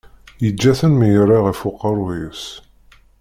Yeǧǧa-ten mi yerra ɣef uqerruy-is.